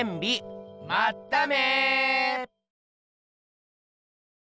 まっため。